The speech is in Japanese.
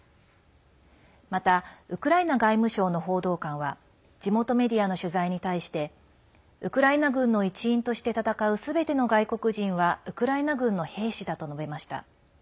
また、ウクライナ外務省の報道官は地元メディアの取材に対してウクライナ軍の一員として戦うすべての外国人はウクライナ軍の兵士だと述べました。